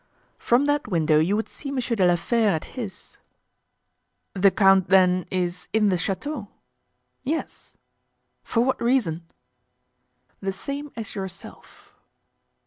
"From that window you would see Monsieur de la Fere at his." "The count, then, is in the chateau?" "Yes." "For what reason?" "The same as yourself."